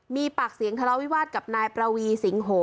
มีปากเสียงทะเลาวิวาสกับนายประวีสิงโห